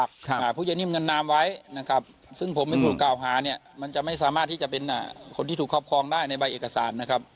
คนที่ถูกครอบครองได้ในใบเอกสารนะครับ